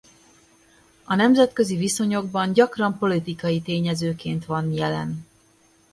A nemzetközi viszonyokban gyakran politikai tényezőként van jelen.